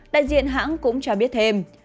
đại diện hãng cũng cho biết thêm